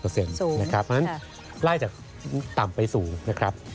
เพราะฉะนั้นไล่จากต่ำไปสู่นะครับ